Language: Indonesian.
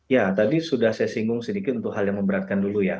ya tadi sudah saya singgung sedikit untuk hal yang memberatkan dulu ya